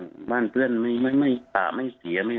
อ่าคุณคุณปฏิทธิ์สังเกตหรือว่าดูจากอะไรที่คิดว่าเขาน่าจะปองชีวิต